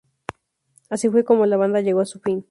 Así fue como la banda llegó a su fin.